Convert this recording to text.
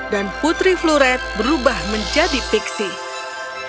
dan putri floret berubah menjadi pixie